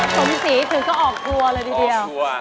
สมศรีถึงก็ออกตัวเลยดีเดี๋ยวสมครับ